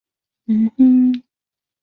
施兰根巴德是德国黑森州的一个市镇。